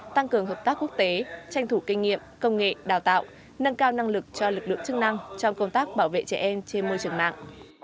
tăng cường hợp tác quốc tế tranh thủ kinh nghiệm công nghệ đào tạo nâng cao năng lực cho lực lượng chức năng trong công tác bảo vệ trẻ em trên môi trường mạng